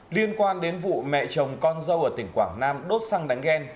liên quan đến vụ mẹ chồng con dâu ở tỉnh quảng nam đốt săng đánh ghen